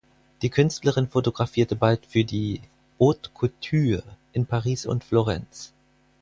Die Künstlerin fotografierte bald für die „Haute Couture“ in Paris und Florenz.